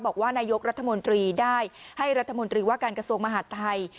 บอกว่านายกรัฐมนตรีได้ให้รัฐมนตรีว่าการกระทรวงมหาดไทย